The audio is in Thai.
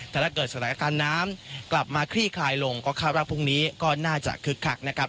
แต่ถ้าเกิดสถานการณ์น้ำกลับมาคลี่คลายลงก็คาดว่าพรุ่งนี้ก็น่าจะคึกคักนะครับ